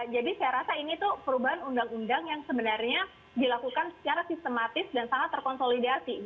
jadi saya rasa ini tuh perubahan undang undang yang sebenarnya dilakukan secara sistematis dan sangat terkonsolidasi